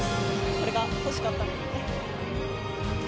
これが欲しかったので。